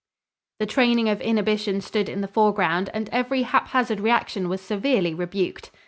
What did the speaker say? The training of inhibition stood in the foreground and every haphazard reaction was severely rebuked.